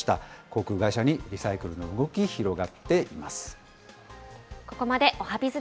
航空会社にリサイクルの動き、広がっています。